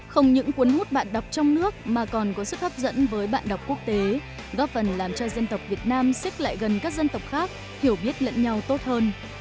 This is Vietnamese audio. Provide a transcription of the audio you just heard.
không những cuốn hút bạn đọc trong nước mà còn có sức hấp dẫn với bạn đọc quốc tế góp phần làm cho dân tộc việt nam xích lại gần các dân tộc khác hiểu biết lẫn nhau tốt hơn